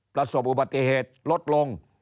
ประสบอุบัติเหตุลดลง